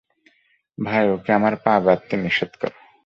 ভাই, ওকে আমার পা বাঁধতে নিষেধ করো।